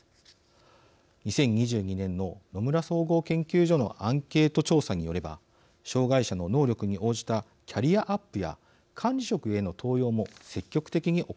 ２０２２年の野村総合研究所のアンケート調査によれば障害者の能力に応じたキャリアアップや管理職への登用も積極的に行われています。